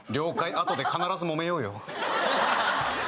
あとで必ずもめようよ